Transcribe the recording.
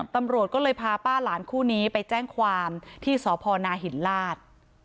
ตำรวจก็เลยพาป้าหลานคู่นี้ไปแจ้งความที่สพนหินลาศ